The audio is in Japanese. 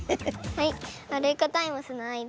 はい。